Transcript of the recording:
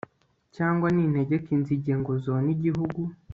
cyangwa nintegeka inzige ngo zone igihugu